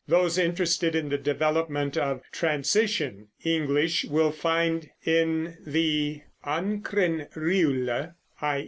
Those interested in the development of "transition" English will find in the Ancren Riwle, i.